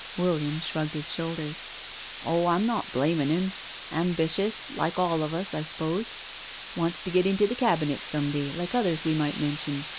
William shrugged his shoulders: " Oh, I'm not blamin' 'im—ambitious, like all of us, I suppose— wants to get into the Cabinet some day, like others we might mention.